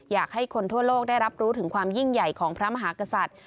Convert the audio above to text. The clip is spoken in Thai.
อยากให้คนทั่วโลกได้รับรู้ถึงความยิ่งใหญ่ของพระมหากษัตริย์